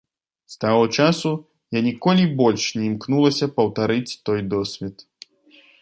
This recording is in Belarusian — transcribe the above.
З таго часу я ніколі больш не імкнулася паўтарыць той досвед.